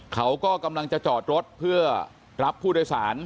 เขาก็กำลังจะจอดรถเพื่อรับผู้โดยสาร